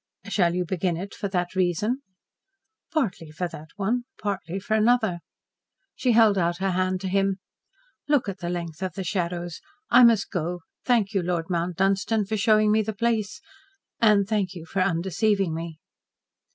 "Shall you begin it for that reason?" "Partly for that one partly for another." She held out her hand to him. "Look at the length of the shadows. I must go. Thank you, Lord Mount Dunstan, for showing me the place, and thank you for undeceiving me."